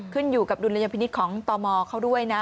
ขึ้นอยู่กับดุลยพินิษฐ์ของตมเขาด้วยนะ